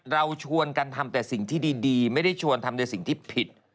เราชวนกันทำแต่สิ่งที่ดีไม่ได้ชวนทำในสิ่งที่ผิด